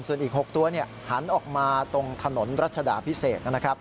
ส่วนอีก๖ตัวหันออกมาตรงถนนรัชดาพิเศษนะครับ